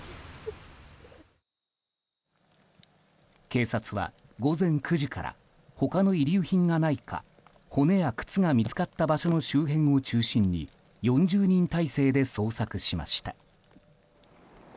警察は午前９時から他の遺留品がないか骨や靴が見つかった場所の周辺を中心に４０人態勢で捜索しました。